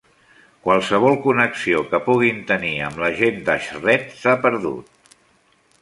Qualsevol connexió que puguin tenir amb la gent d'Ashret s'ha perdut.